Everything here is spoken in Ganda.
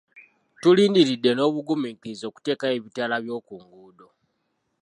Tulindiridde n'obugumiikiriza okuteekayo ebitala by'oku nguudo.